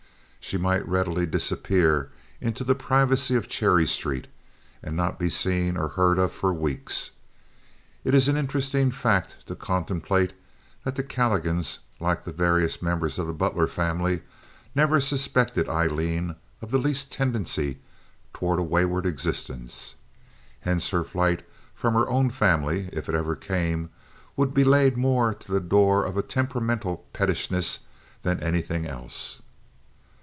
She might readily disappear into the privacy of Cherry Street and not be seen or heard of for weeks. It is an interesting fact to contemplate that the Calligans, like the various members of the Butler family, never suspected Aileen of the least tendency toward a wayward existence. Hence her flight from her own family, if it ever came, would be laid more to the door of a temperamental pettishness than anything else.